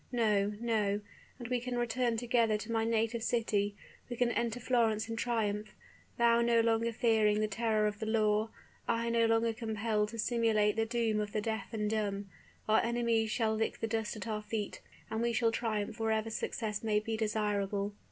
No, no: and we can return together to my native city, we can enter Florence in triumph, thou no longer fearing the terror of the law, I no longer compelled to simulate the doom of the deaf and dumb! Our enemies shall lick the dust at our feet, and we shall triumph wherever success may be desirable.